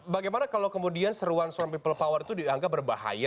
bagaimana kalau kemudian seruan suara people power itu dianggap berbahaya